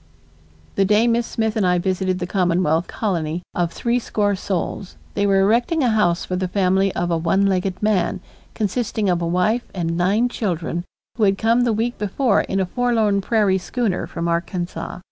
The day Miss Smith and I visited the Commonwealth colony of threescore souls, they were erecting a house for the family of a one legged man, consisting of a wife and nine children who had come the week before in a forlorn prairie schooner from Arkansas.